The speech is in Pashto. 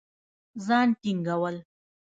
ځان ټينګول